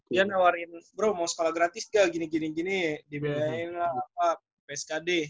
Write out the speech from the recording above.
dia nawarin bro mau sekolah gratis gak gini gini gini dibayangin lah apa pskd